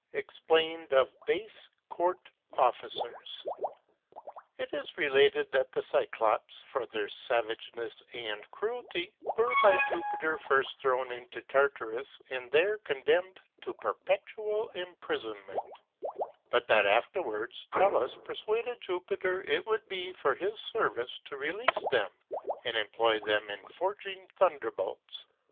EXPLAINED OF BASE COURT OFFICERS. It is related that the Cyclops, for their savageness and cruelty, were by Jupiter first thrown into Tartarus, and there condemned to perpetual imprisonment; but that afterwards Tellus persuaded Jupiter it would be for his service to release them, and employ them in forging thunderbolts.